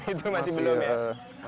itu masih belum ya